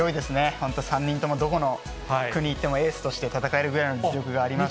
本当、３人とも、どこの国行っても、エースとして戦えるぐらいの実力がありますし。